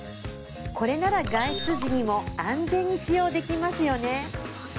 これなら外出時にも安全に使用できますよね